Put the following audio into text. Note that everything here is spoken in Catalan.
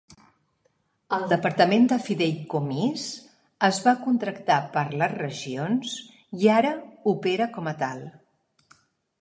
El departament de fideïcomís es va contractar per les regions i ara opera com a tal.